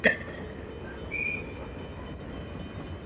yanayofuata njia yake kwenye mtelemko hadi mdomoni wake